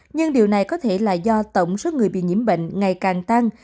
nhưng điều này có thể là do tổng số người bị nhiễm bệnh ngày càng tăng